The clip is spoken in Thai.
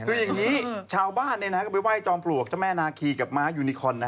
คืออย่างนี้ชาวบ้านก็ไปไห้จอมปลวกเจ้าแม่นาคีกับม้ายูนิคอน